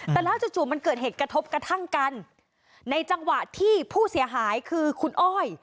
แต่แล้วจู่จู่มันเกิดเหตุกระทบกระทั่งกันในจังหวะที่ผู้เสียหายคือคุณอ้อย